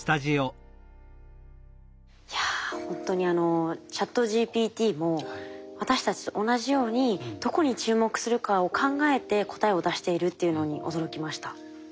いやほんとにＣｈａｔＧＰＴも私たちと同じようにどこに注目するかを考えて答えを出しているっていうのに驚きました。